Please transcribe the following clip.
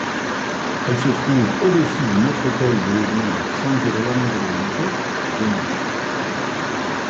Elle se trouve au-dessus du maître-autel de l'église San Girolamo delle Monache de Naples.